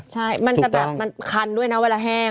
ใช่มันจะแบบมันคันด้วยนะเวลาแห้ง